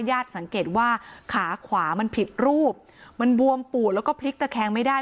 สังเกตว่าขาขวามันผิดรูปมันบวมปูดแล้วก็พลิกตะแคงไม่ได้